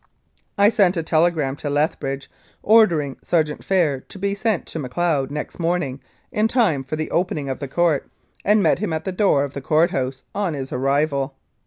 I sent a telegram to Lethbridge ordering Sergeant Phair to be sent to Macleod next morning in time for the opening of the Court, and met him at the door of the court house on his arrival.